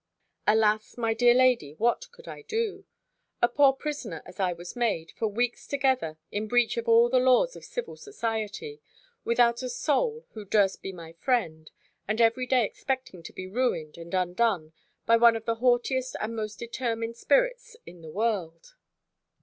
Alas! my dear lady, what could I do? a poor prisoner as I was made, for weeks together, in breach of all the laws of civil society; without a soul who durst be my friend; and every day expecting to be ruined and undone, by one of the haughtiest and most determined spirits in the world!